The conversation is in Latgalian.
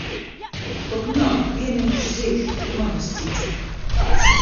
Tok nā, bierneņš zeiž tik mamys cici!